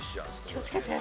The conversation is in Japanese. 気を付けて。